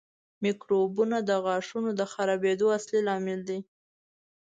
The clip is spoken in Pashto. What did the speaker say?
میکروبونه د غاښونو د خرابېدو اصلي لامل دي.